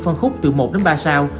phân khúc từ một đến ba sao